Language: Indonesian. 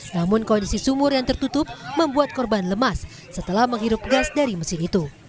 namun kondisi sumur yang tertutup membuat korban lemas setelah menghirup gas dari mesin itu